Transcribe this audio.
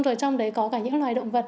rồi trong đấy có cả những loài động vật